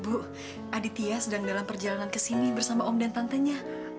bu aditya sedang dalam perjalanan ke sini bersama om dan tantenya